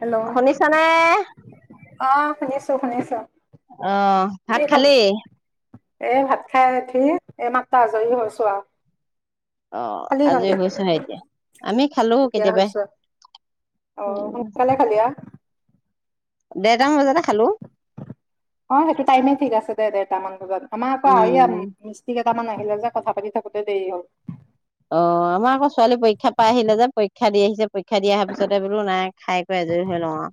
Hello শুনিছা নে? অ শুনিছো, শুনিছো। আঁহ কি ভাত খবৰ খালি? এ' ভাত খাই উঠি এইমাত্ৰ আজৰি হৈছো আৰু। অঁ খালি আজৰি গন্তিত হৈছা নাই এতিয়া? আমি খালো এতিয়া কেতিয়াবাই, হৈছা। অঁ সোনকালে খালি আউ। দেৰটা মান বজাতে খালো। অঁ সেইটো টাইমতে ঠিক আছে দে, দেৰটা মান বজাত। আমাৰ আক আৰিয়ান উম। মিস্তি গা কেইটামান আহিলে যে কথা পাতি থাকোতে দেৰি হ'ল। অঁ আমাৰ আকৌ ছোৱালী পৰীক্ষা পাই আহিলে যে পৰীক্ষা দি আহিছে। পৰীক্ষা দি অহাৰ পিছতে বোলো নাই খাই কৈ এজৰি হৈ লওঁ আউ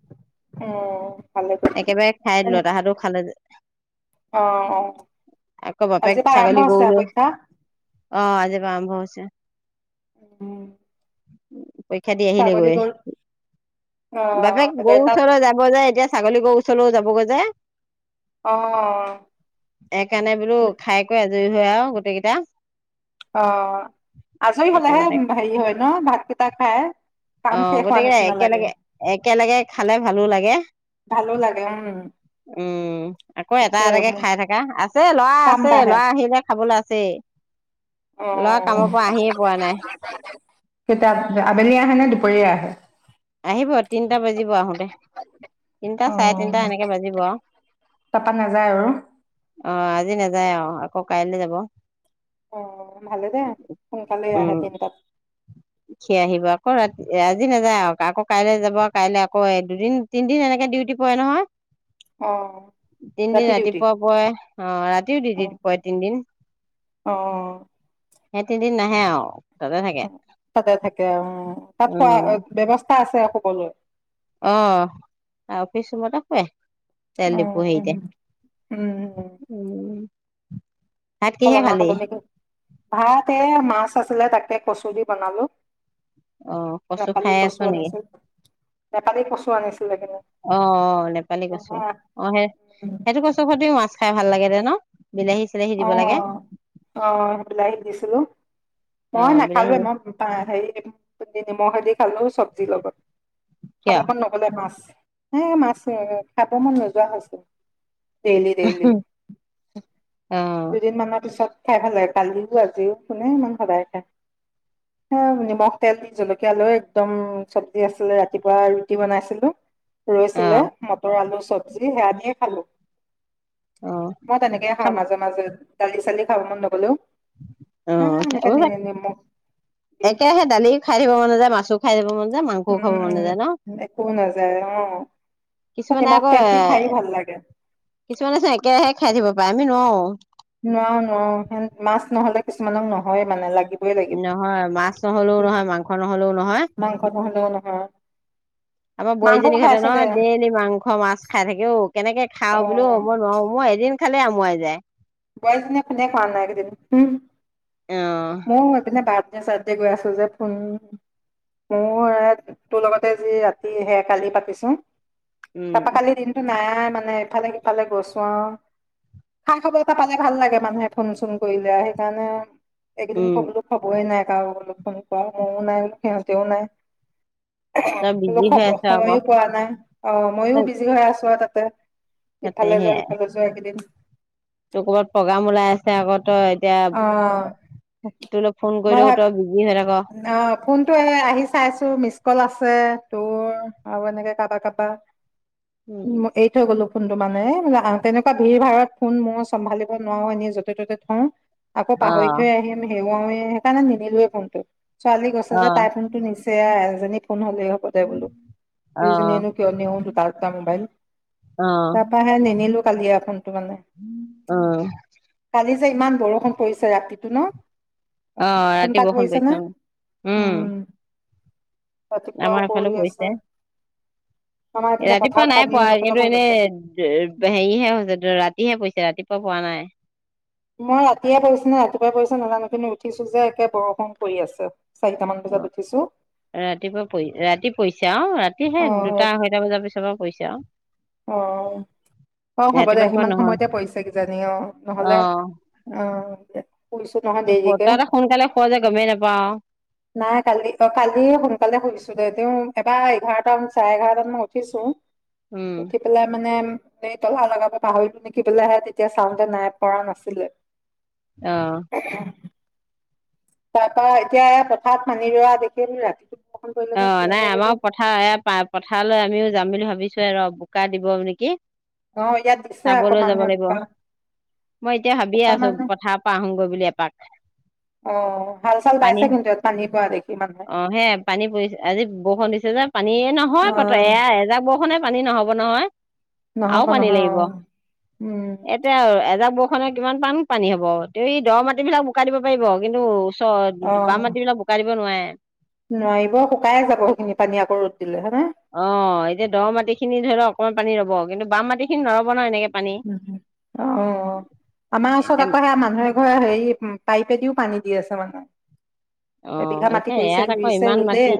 উম ভালে একেবাৰে খাই কৰিলি দিলো তাহাঁতো খালে যে অ অ আকৌ বাপেক আজিৰ নাই ছাগলী আৰম্ভ গৰু হৈছে আউ লৈ পৰীক্ষা অ আজি পৰা আৰম্ভ হৈছে আছে [inaudible] উম পৰীক্ষা দি ছাগলী আহিলেগৈ গৰু অ বাপেক গও দেৰটাত ওচৰলে যাব যে এতিয়া ছাগলী গউ চলও যাব গৈ যে অ এইকাৰণে বোলো খাই কৈ আ জই হয় আউ গোটেই কেইটা অ আজৰি হলেহে একেবাৰতে হেৰি হয় ন ভাতকেইটা খাই অ কাম শেষ হোৱা গতিকে নিচিনা লাগে একেলগে একেলগে খালে ভালো লাগে ভালো লাগে উম উম আকৌ এটা তাকে এটাকে মোক খাই থকা আছে লৱা কাম আছে বাঢ়ে লৱা আহিলে খাবলৈ আছেই অ ল'ৰা কামৰ পৰা আহিয়ে পোৱা নাই, কেইটাপ আপুনি আবেলি আহে নে পৰীয়া আহে আহিব তিনটা বাজিব আহোতে তিনটা অ চাৰে তিনটা এনেকে বাজিব আৰু। তাপা নাযায় আৰু অ আজি নাযায় অ আকৌ কাইলৈ যাব অ ভালে দে সোনকালে আহে তিনটাত খি আহিব আকৌ ৰাতি আজি নাযায় আও আকৌ কাইলে যাব কাইলে আকৌ দুদিন তিনদিন এনেকে ডিউটি পৰে নহয় অ তিনদিন ৰাতি ডিউটি ৰাতিপুৱা পয় আহ ৰাতিও অ ডিউটি পয় তিনদিন অ সেই তিনিদিন নাহে আও তাতে থাকে তাতে থাকে অ তাত খোৱা উম, ব্যৱস্থা আছে সকলোৱে অ আ অফিচ ৰুমতে হুৱে অ তেল ডিপো হেইতে উম সলনা সলনি কৰি ভাত এ মাছ আছিলে তাকে কচু দি বনালো অ কচু খাই নেপালী আছ কচু নেকি আনিছিল নেপালী কচু আনিছিল অ অ নেপালী কছু অ সেই সেইটো কছু সতেও মাছ খাই ভাল লাগে যে ন। বিলাহী চিলাহী অ দিব লাগে অ সেই বিলাই স দিছিলো অ মই বিলাহী নাখালে মই হেৰি নিমখেদি খালো চব্জিৰ লগত খাব কিয় মন নগলে মাছ। হে মাছ খাব মন নোযোৱা হৈছে। Daily daily. অ দুদিন মানৰ পিছত খাই ভাল লাগে, কালিও আজিও শুনে ইমান সদায় খায়, নিমখ তেল দি জলকীয়া লৈ একদম চব্জি আছিলে ৰাতিপুৱা ৰুটি বনাইছিলো। অ ৰৈছিলে মটৰ আলু চব্জি সেয়া দিয়ে খালো। অ মই তেনেকে খাওঁ খাব মাজে দালি চালি খাব মন নগলেও। অ এ এনেকে নি- নিমখ দি একেৰাহে দালিও খাই থাকিব মন নাযায় মাছো খাই [unintelligible] মাংস খাব উম, মন নাযায় ন? উম, একো নাযায় অ', কিছুমানে আকৌ নিমখ-তেল এ দি খায়ো ভাল লাগে। কিছুমানে চ একেৰাহে খাই থিব আমি নোৱাৰোঁ। নোৱাৰো নোৱাৰো মাছ নহ'লে কিছুমানক নহয়ে মানে লাগিব। নহয় মাছ নহলেও নহয় মাংস নহলেও নহয়। মাংস নহ'লেও নহয়, আমাৰ মাংসও বোৱাৰীজনীহতে খাইছো দে নহয় দেইলি মাংস মাছ খাই থাকে ঔ, কেনেকে খাও বোলো অ'। মই নোৱাৰো মই এদিন খালে আমুৱাই যায়। বোৱাৰীজনীয়ে ফ্নে কৰা নাই এইকেইদিন। অ মই এই পিনে ব চাৰডে গৈ আছো যে ফোন মোৰ তোৰ লগতে যি ৰাতি সে কালি পাতিছো। উম তাপা কালিৰ দিনটো নাই। মানে এফালে সিফালে গৈছো আও, [unintelligible] কটা পালে ভাল লাগে মানুহে ফোন চোন কৰিলে সেইকাৰণে। এইকেইদিন উম কবলো খবৰেই নাই। ল ক মও নাই বোলো সিহঁতেও নাই। তই বিজি হৈ আছ আকৌ সময়ো পোৱা নাই অ ময়ো বিজি হৈ আছো আও তাত। ত তাতে ইফালে যোৱা সিফালে যোৱা এককেইদিন। ত ক'ৰবাত প্ৰগ্ৰাম ওলাই আছে আগত। তই এতিয়া অ তোৰ লে ফোন মই কৰিলেও ভাব তই বিজি হৈ অ ফোনটো আহি চাইছো মিছ কল আছে, তোৰ আৰু এনেকে কাবা কাবা। উম এৰি থৈ গলো ফোনটো মানে তেনেকোৱা ভিৰ ভাৰাত ফোন মোৰ চম্ভালিব নোৱাৰো এনেই য'তে ত'তে [unintelligible] আকৌ অ পাহৰি থৈ আহিম হেৰুৱাওয়ে সেইকাৰণে নিনিলোৱে ফোনটো ছোৱালী গছে অ যে তাই ফোনটো নিছে। তাই এজনীত ফোন হলে হব দে বুলো দুইজনীয়েনো কিয় নিও দুটা দুটা ম'বাইল অ তাৰপা সে নিনিলো কালি আও ফোনটো মানে অ কালি। যে ইমান বৰষুণ পৰিছে ৰাতিটো ন অ কোন ৰাতি তাত বৰষুণ নে পৰিছে অ। উম আমাৰ ৰাতিপুৱাও এফালেও পৰি পৰিছে আছে। আমাৰ এইপিনে ৰাতিপুৱা পথাৰত নাই পানী পোৱা অলপ অলপ কিন্তু হৈ এনে গৈছে হেৰিহে হৈছে ৰাতিহে পৰিছে ৰাতি। পোৱা পৱা নাই মই ৰাতিয়ে পৰিছো নাই ৰাতিপুৱাই পৰিছে নাজানো কিন্তু উঠিছো যে একে বৰষুণ পৰি আছে চাৰিটামান বজাত অ উঠিছো ৰাতিপুৱা পৰি ৰাতি পৰিছে অ ৰাতিহে অ দুটা আঢৈটা বজাৰ পিছৰপা পৰিছে আও অ অ হ'ব দে ৰাতিপুৱা সময়ত সিমান নহয় সময়তে পৰিছে কিজানি অ অ নহলে অহ শুইছো নহয় দেৰিকে তহঁতে সোনকালে শুৱ যে গমেই নাপাওঁ নাই কালি অ কালি সোনকালে শুইছিলে দেই এবাৰ এঘাৰটামান চাৰে এঘাৰটান মানত উঠিছো উম উঠি পেলাই মানে এই তলা লগাব পাহৰিলো নেকি ভিতলৈ আহে তেতিয়া চাওঁতে নাই পৰা নাছিলে অহ তাৰপা এতিয়া এ পথাৰত পানী ৰোৱা দেখিছিলে অ নাই আমাৰো পথাৰ এ পথাৰলৈ আমিও যাম বুলি ভাবিছো ৱে ৰ বোকা দিব নেকি অহ ইয়াত দিছে চাবলৈ অকমান যাব সেইটো লাগিব কাৰণে মই এতিয়া ভাবিয়ে বোকা আছো মানে পথাৰৰ পৰা আহোগৈ বুলি এপাক অহ হাল চাল পানী বাইছে কিন্তু ইয়াত পানী পোৱা দেখি মানুহে অ হে পানী পৰিছে আজি বৰষুণ দিছে যে পানী নহয় পতে অ' এয়া এজাক বৰষুণে পানী নহ'ব নহয় আও নহ'ব পানী নহয় লাগিব অ' উম, এতিয়া আও এজাক বৰষুণ খনে কিমান পান পানী হব তে এই দৰ মাটি বিলাক বোকাই দিব পাৰিব কিন্তু। চ বাম মাটি অ' বিলাক বোকা দিব নোৱাৰে। [unintelligible] নোৱাৰিব শুকাই যাব সেইখিনি পানী আকৌ ৰ'দ দিলে হয়নে? অ এতিয়া দ মাটি খিনি ধৰি লওক অকমান পানী ৰব কিন্তু বাম মাটি খিনি নৰব নহয় এনেক- অ' আমাৰ ওচৰত এতিয়া আকৌ সেয়া মানুহে ঘৰ হেৰি উ পাইপে দিও পানী দি আছে মানে। অ' এবিঘা মাটি এতিয়া কৰিছে ইয়াত আকৌ ৰুইছে ইমান ৰুলে মাটি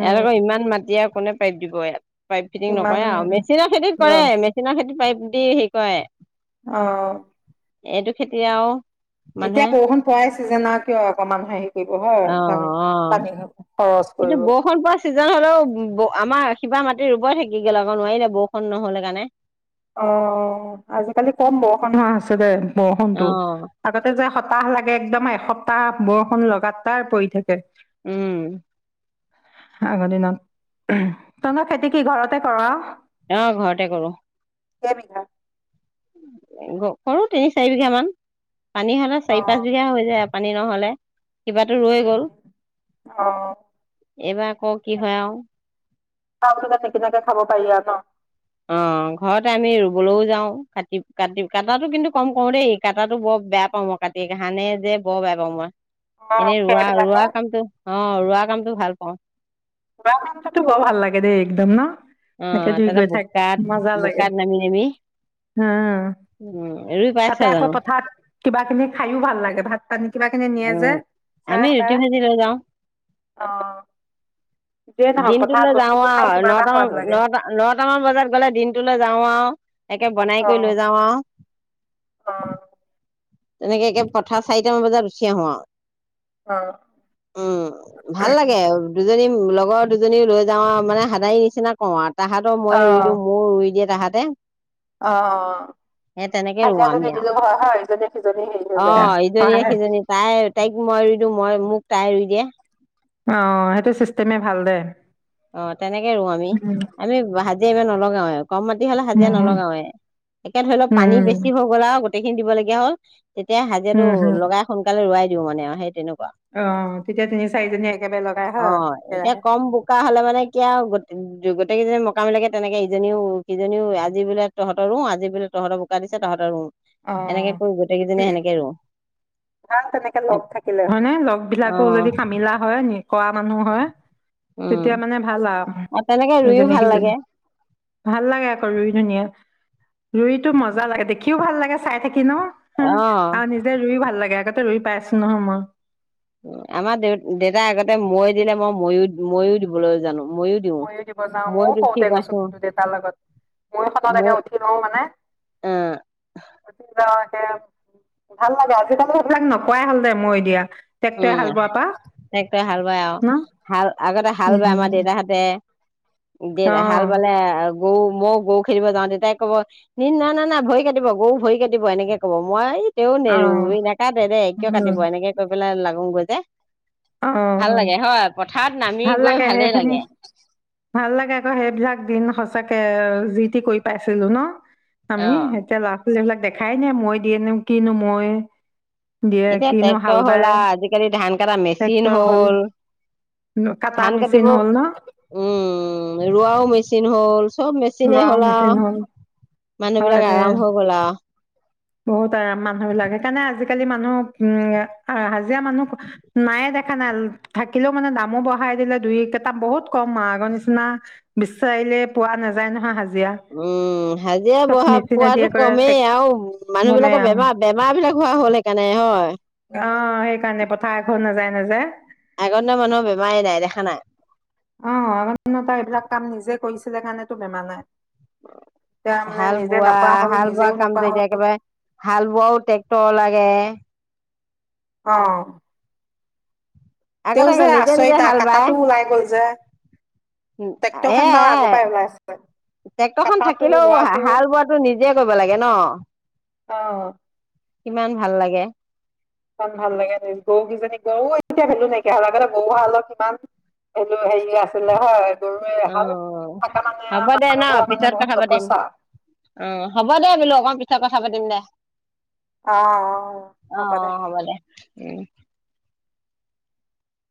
ইয়াত আকৌ ইমান মাটি আৰু কোনে পাইপ দিব ইয়াত পাইপ ফিটিং কিমান নকৰে আৰু মেচিনৰ খেতি ল কৰে মেচিনৰ খেতি পাইপ। দি হেৰি কৰে। অ' এইটো খেতি আও। এতিয়া বৰষুণ পোৱাইছে ছিজনত কিয় অকণমা- অ' অ' খৰচ কিন্তু কৰিব। বৰষুণ পোৱা চিজন হলেও আমাৰ। কিবা মাটি ৰুব থাকি গ'ল আকৌ নোৱাৰিলে বৰষুণ নহ'লে কাৰণে। অ' আজিকালি কম বৰষুণ হোৱা আছে দে। বৰষুণটো অ আগতে যায়। সপ্তাহ লাগে একদম এসপ্তাহ বৰষুণ লগা তাৰ পৰি থাকে। উম আগৰ দিনত ত খেতি কি ঘৰতে কৰ? অ ঘৰতে কৰো। কেইবিঘা কৰো তিনি চাৰি বিঘা মান। পানী হ'লে অ চাৰি বিঘা হৈ যায়। পানী নহ'লে। কিবাতো ৰৈ উম গল অ এইবাৰ আকৌ কি হয় আও। চাউল টোজে নিকিনাকে খাব পাৰি আ ন। অ' ঘৰতে আমি ৰুবলৈও যাও কাটিব কাটিব কটাটো কিন্তু কম কৰো দেই কটাটো বৰ বেয়া পাওঁ মই কাটি ধানে যে বৰ বেয়া পাওঁ মই। ন অ এনেই খেৰ ৰোৱা ৰোৱা বিলাকে কামটো। অ' ৰোৱা কামটো ভাল পাওঁ। ৰোৱা কামটো টো বৰ ভাল লাগে দেই একদম ন' এনেকে অ' ধুই তাতে গৈ থাক বোকাত মজা লাগে বোকাত নামি আমি উম উ ৰুই পাইছ তাতে আকৌ জানো? পথাৰত কিবা কিবি খায়ো ভাল লাগে ভাত। পানীত কিবাখিনি নিয়ে অ যে চাহ আমি ৰুটি তাহ ভাজি লৈ যাওঁ অ' যিয়ে নহওক পথাৰত দিনটোলৈ যাও বস্তুটো খাই আৰু কিবা এটা নট সোৱাদ মান লাগে। নটা নটামান বজাত গলে দিনটোলৈ যাও আও একে বনাই কৰি অ', লৈ যাওঁ আও। অ' তেনেকে একে পথাৰ চাৰিটামান বজাত উঠি আহো অ', আও। উম ভাল লাগে দুজনী লগৰ দুজনী লৈ যাও মানে হাত দায়ী নিচিনা কওঁ ৱাত। তাহাঁতৰ মই ৰুই অ'। দিওঁ, মোৰো ৰুই দিয়ে। তাহাতে। অ ৰুওঁ হাজিৰা যদি আমি আৰু নিদিলোঁ হয় হয় দু- অ ইজনীয়ে সিজনী তাই তাইক, মই ৰুই দিওঁ, মোক তাই ৰুই দিয়ে। অ সেইটো চিষ্টেমে ভাল দে। অ তেনেকে ৰুওঁ আমি উম, আমি হাজিৰা ইমান নলগাওৱে আৰু কম মাটি হ'লে হাজিৰা উম। নলগাওৱে। একে ধৰি লওক পানী উম, বেছি হৈ গল আও গোটেইখিনি দিবলগীয়া হ'ল। তেতিয়া হাজিৰাটো উম, হম, লগাই সোনকালে ৰোৱাই মানে সেই তেনেকোৱা। অ তেতিয়া তিনি চাৰিজনী একেবাৰে লগাই অ হয়, এতিয়া একেৰাহে কম বোকা হলে মানে কি আও গোটেই কেইজনি মকামিলাকে তেনেকে ইজনীও সিজনীও আজি বোলে তহঁতৰ ৰু, আজি বোলে তহতৰ বোকা দিছে তহঁতৰ ৰোওঁ। এনেকে অ'। কৰি, গোটেই কেইজনী সেনেকে ৰোও ভাল তেনেকে লগ থাকিলে হয় নে লগ অ বিলাকো যদি কামিলা হয় নে কৰা মানুহ হয় তেতিয়া উম মানে ভাল আও আৰু তেনেকে ৰুইও ভাল যেনেকে, লাগে ভাল লাগে আকৌ ৰুই কেনি। ৰুইতো মজা লাগে, দেখিও ভাল লাগে। চাই থাকিলে নহয় অ আৰু নিজে ৰুই ভাল লাগে আগতে ৰুই পাইছোঁ নহয় মই আমাৰ দেউ দেউতাই আগতে মৈ দিলে, মই ময়ো ময়ো দিবলৈ জানো ময়ো দিব যাও, ময়ও মৈত উঠি সওতে গৈছো পাইছো কিন্তু দেউতাৰ লগত ময়ো সতলৈকে মই উঠি লও মানে অ উঠি লওঁ ভাল লাগে আজিকালি এইবিলাক নোপোৱাই হ'ল দে মৈ দিয়া। ট্ৰেক্টৰে উম হাল বোৱাৰ পৰা ট্ৰেক্টৰে হাল বায় আও ন হাল আগতে হাল বায় আমাৰ উম দেউতাহঁতে। দে হাল অঁ বালে, গৰু মই গৰু খেদিব যাওঁ। দেউতাই কব না না না ভৰি কাটিব গৰু ভৰি কাটিব এনেকে কব। মই, তেও নেৰু, অঁ নাকাটে দে কিয় কাটিব এনেকে কৈ। গৈ পেলাই লাগোঙগৈ যে অ ভাল লাগে হয় পথাৰত নামি ভাল গৈ লাগে, ভালেই সেইখিনি লাগে ভাল লাগে আকৌ সেইবিলাক দিন স চাকে যি টি কৰি পাইছিলো ন্‌। অ আমিও এতিয়া ল'ৰা -ছোৱালি বিলাক দেখাই নাই, মৈ দিয়েনো কিনো মৈ? দিয়ে এতিয়া কিনো ট্ৰেক্টৰ হাল হ'ল বাই আও আজিকালি ধান কাটা মেচি চিন হ'ল। ন- কাটা ধান মেচিন কাটিব, হ'ল ন উম- ৰোৱাও মেচিন হ'ল। হ'লচ্‌ চব মেচিনে ৰোৱাও হ'ল আও, মেচিন হ'ল হয় মানুহবিলাকে দে আৰাম হৈ গ'ল আও। বহুত আৰাম মানুহ বিলাক। সেইকাৰণে আজিকালি মানুহ উম হা হাজিয়া মানুহ নায়ে দেখা নাই, থাকিলেও মানে দামো বঢ়াই দিলে দুই- কেইটাম বহুত কম ম আগৰ নিচিনা বিচাৰিলে পোৱা নাযায় নহয় হাজি উম- হাজিয়া বঢ়া পোৱাটো মেচিনেদিয়ে কৰে কমেই আও মানুহ গমে বিলাকৰ অ বেমা বেমাৰ বিলাক হোৱা হ'ল সেইকাণে হয়। সেইকাৰণে পথাৰ এঘৰ নাযায় নাযায়। আগদিন মানুহ' বেমাই নাই দেখা নাই। ছিলে সেকাণেটো বেমাৰ নাই। এতিয়া মানে হাল নিজে নকৰা বোৱা- হ'ল হাল বোৱা নিজেও নকৰা কামটো হ'ল এতিয়া একেবাই হাল বোৱাও ট্ৰেক্ট লাগে। অঁ আগতে নিজে নিজে আচৰিতা হাল বায়। কাটাটো ওলাই গ'ল যে এ ট্ৰেক্টৰখন বাৰু এ আগৰ পৰাই ওলাই আছে টেক্টৰখন কটাটো থাকিলেও হা ৰোৱাটো হাল বোৱাটো নিজে কৰিব লাগে ন্‌। অ [unintelligible] কিমান ভাল লাগে। ইমান ভাল লাগে সেই--গৰু কেইজনী গৰু এতিয়া ভেলু নাইকীয়া হল। আগতে গৰুহালত কিমান ভু হেৰি আছিলে হয়। [unintelligible] এহাল অঁ থকা মানে হ'ব দে মানুহ ঘৰ ন' মানে পিছত বহুত কথা পাতিম। গপচা অঁ হ'ব দে বোলো অকন পি [unintelligible] পিছত কথা পাতিম দে অঁ অঁ অ হ'ব অ দেহ্‌। দে উম